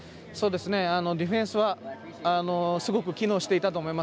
ディフェンスはすごく機能していたと思います。